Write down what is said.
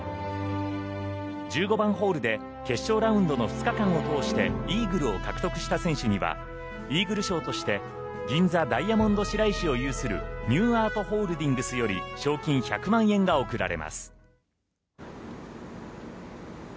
１５番ホールで決勝ラウンドの２日間を通してイーグルを獲得した選手にはイーグル賞として銀座ダイヤモンドシライシを有するＮＥＷＡＲＴＨＯＬＤＩＮＧＳより賞金１００万円が贈られます。